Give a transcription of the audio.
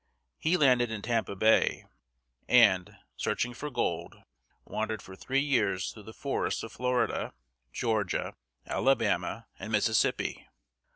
He landed in Tam´pa Bay, and, searching for gold, wandered for three years through the forests of Florida, Geor´gi a, Al a ba´ma, and Mississippi.